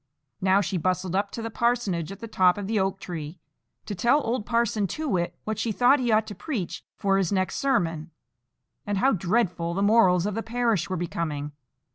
Now she bustled up to the parsonage at the top of the oak tree, to tell old Parson Too Whit what she thought he ought to preach for his next sermon, and how dreadful the morals of the parish were becoming.